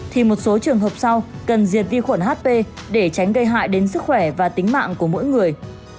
thì một số trường hợp sau cần diệt vi khuẩn hp để tránh gây hại đến sức khỏe và tính mạng của mỗi người